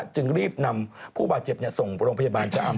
จึงรีบนำผู้บาดเจ็บส่งโรงพยาบาลชะอำ